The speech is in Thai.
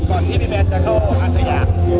ก่อนที่พี่แม่จะเข้าอาสยา